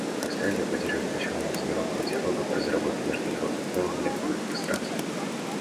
Австралия поддерживает начало международного диалога по разработке международных норм для киберпространства.